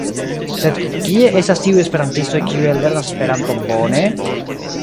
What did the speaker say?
Sed kie estas tiuj esperantistoj kiuj ellernas Esperanton bone?